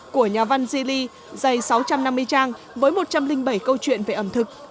của nhà văn zili dày sáu trăm năm mươi trang với một trăm linh bảy câu chuyện về ẩm thực